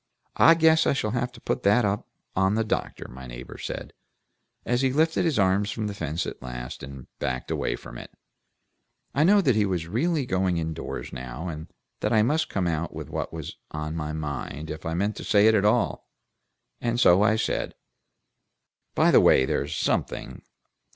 "I guess I shall have to put that up on the doctor," my neighbor said, as he lifted his arms from the fence at last, and backed away from it. I knew that he was really going in doors now, and that I must come out with what was in my mind, if I meant to say it at all, and so I said, "By the way, there's something.